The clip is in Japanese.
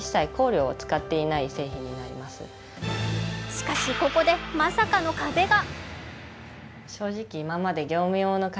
しかし、ここでまさかの壁が。